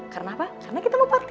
karena apa karena kita mau party